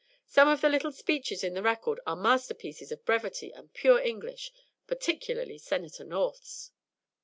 Some of the little speeches in the Record are masterpieces of brevity and pure English, particularly Senator North's."